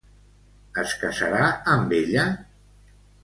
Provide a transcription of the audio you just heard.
Es casarà amb ella?